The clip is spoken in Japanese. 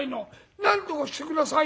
なんとかして下さいよ。